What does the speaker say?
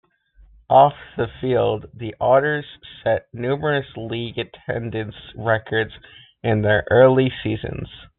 Off the field, the Otters set numerous league attendance records in their early seasons.